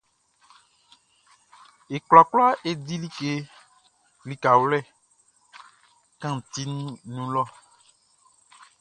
E kwlakwla e di like likawlɛ kantinʼn nun lɔ.